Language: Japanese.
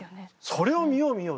それを見よう見ようと。